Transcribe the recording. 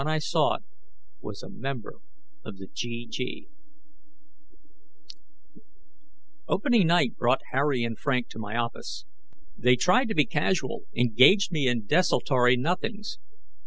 Opening night brought Harry and Frank to my office. They tried to be casual, engaged me in desultory nothings.